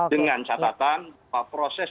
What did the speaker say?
dengan catatan proses